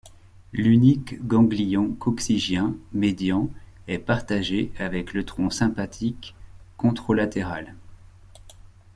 L'unique ganglion coccygien, médian, est partagé avec le tronc sympathique controlatéral.